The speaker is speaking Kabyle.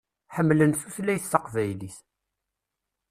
Ḥemmlen tutlayt taqbaylit.